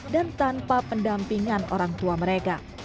dan tanpa pendampingan orang tua mereka